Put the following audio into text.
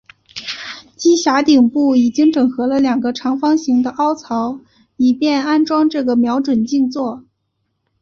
机匣顶部已经整合了两个长方形的凹槽以便安装这个瞄准镜座。